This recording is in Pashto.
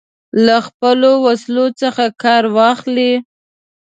له خپلو وسلو څخه کار واخلي.